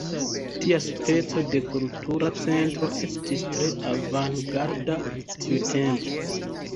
Tia speco de kultura centro estis tre avangarda tiutempe.